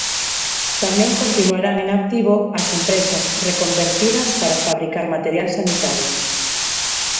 Tamén continuarán en activo as empresas reconvertidas para fabricar material sanitario.